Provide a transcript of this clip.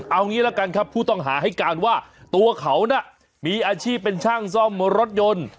เอางี้ละกันครับผู้ต้องหาให้การว่าตัวเขาน่ะมีอาชีพเป็นช่างซ่อมรถยนต์